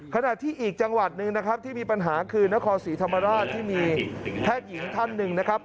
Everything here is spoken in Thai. ขณะที่อีกจังหวัดหนึ่งนะครับที่มีปัญหาคือนครศรีธรรมราชที่มีแพทย์หญิงท่านหนึ่งนะครับ